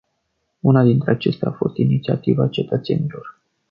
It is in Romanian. Una dintre acestea a fost inițiativa cetățenilor.